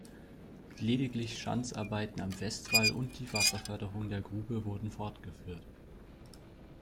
Lediglich Schanzarbeiten am Westwall und die Wasserförderung der Grube wurden fortgeführt.